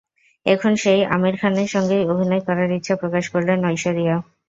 এখন সেই আমির খানের সঙ্গেই অভিনয় করার ইচ্ছে প্রকাশ করলেন ঐশ্বরিয়া।